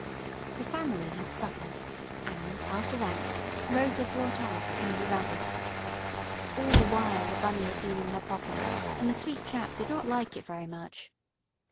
The family had supper, and, after that, Rosa brought out the Candy Rabbit. All the while the Bunny had been in her pocket, and the sweet chap did not like it very much.